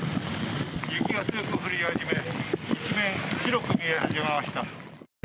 雪が強く降り始め一面白く見え始めました。